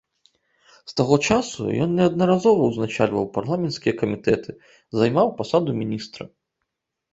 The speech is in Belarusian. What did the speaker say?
З таго часу ён неаднаразова ўзначальваў парламенцкія камітэты, займаў пасаду міністра.